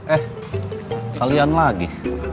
eh kalian lagi